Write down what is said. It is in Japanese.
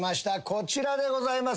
こちらでございます。